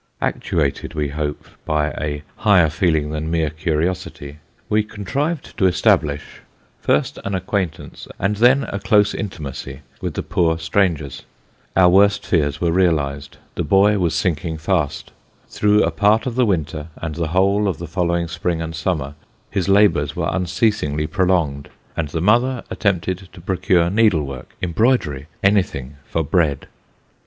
Actuated, we hope, by a higher feeling than mere curiosity, we con trived to establish, first an acquaintance, and then a close intimacy, with the poor strangers. Our worst fears were realised ; the boy was sinking fast. Through a part of the winter, and the whole of the following spring and summer, his labours were unceasingly prolonged : and the mother attempted to procure needlework, embroidery any thing for bread.